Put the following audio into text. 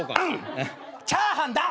チャーハンだ！